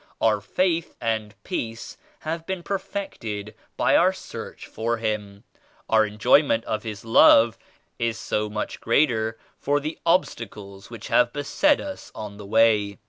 Our faith and peace have been per fected by our search for Him ; our enjoyment of His Love is so much greater for the obstacles which have beset us on the way.